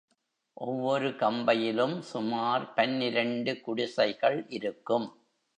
ஒவ்வொரு கம்பையிலும், சுமார் பன்னிரண்டு குடிசைகள் இருக்கும்.